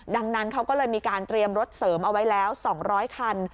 ดังนั้นเขาก็เลยมีการเตรียมรถเสริมเอาไว้แล้ว๒๐๐คัน